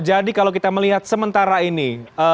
jadi kalau kita melihat sementara ini